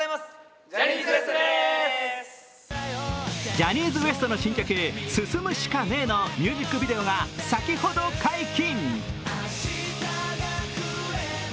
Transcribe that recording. ジャニーズＷＥＳＴの新曲「進むしかねぇ」のミュージックビデオが先ほど解禁。